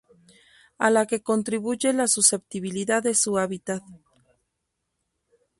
A la que contribuye la susceptibilidad de su hábitat